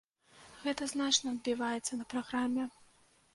Гэта значна адбіваецца на праграме.